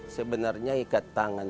sebenarnya ikat tangan